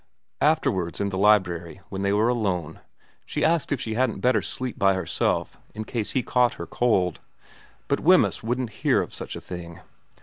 Afterwards in the library when they were alone, she asked if she hadn't better sleep by herself in case he caught her cold, but Wemyss wouldn't hear of such a thing.